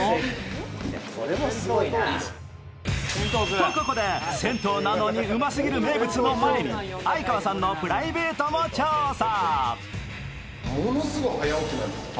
とここで、銭湯なのにうますぎる名物の前に哀川さんのプライベートも調査。